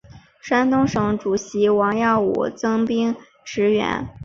山东省主席王耀武增兵驰援。